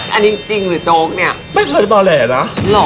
ไม่เคยพอแหลนะ